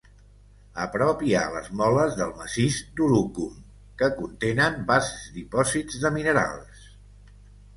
A prop, hi ha les moles del massís d'Urucum, que contenen vasts dipòsits de minerals.